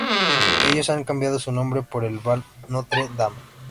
Ellos han cambiado su nombre por el de Val Notre-Dame.